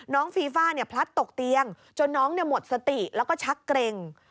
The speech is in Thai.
ฟีฟ่าพลัดตกเตียงจนน้องหมดสติแล้วก็ชักเกร็ง